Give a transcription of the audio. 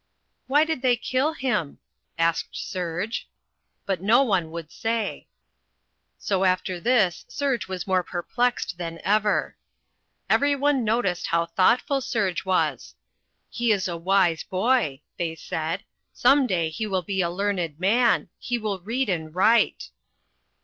"Why did they kill him?" asked Serge. But no one would say. So after this Serge was more perplexed than ever. Every one noticed how thoughtful Serge was. "He is a wise boy," they said. "Some day he will be a learned man. He will read and write."